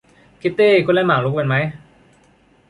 คิตตี้ คุณเล่นหมากรุกเป็นไหม ?